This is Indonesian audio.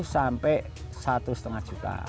sampai satu lima juta